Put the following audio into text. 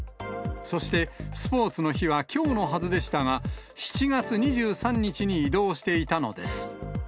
そしてスポーツの日はきょうのはずでしたが、７月２３日に移動していたのです。